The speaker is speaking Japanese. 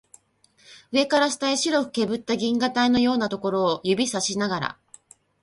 上から下へ白くけぶった銀河帯のようなところを指さしながら